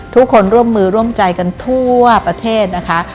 ทุกคนร่วมมือร่วมใจกันทั่วประเทศ